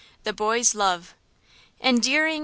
THE BOY'S LOVE. Endearing!